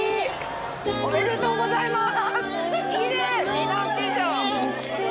おめでとうございます！